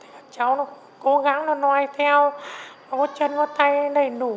các cháu cố gắng nó noai theo nó có chân nó có tay đầy đủ